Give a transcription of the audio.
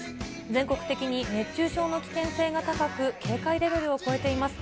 全国的に熱中症の危険が高く、警戒レベルを超えています。